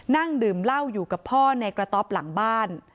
นั่งดื่มเหล้าอยู่กับพ่อในกระต๊อบหลังบ้าน